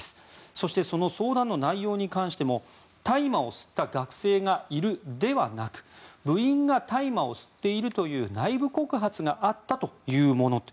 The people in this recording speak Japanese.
そしてその相談の内容に関しても大麻を吸った学生がいるではなく部員が大麻を吸っているという内部告発があったというものと。